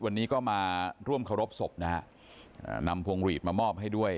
วันนี้ก็มาร่วมเคารพศพนะฮะนำพวงหลีดมามอบให้ด้วย